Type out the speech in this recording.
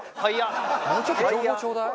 もうちょっと情報ちょうだい。